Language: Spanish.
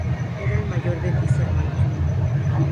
Era el mayor de diez hermanos.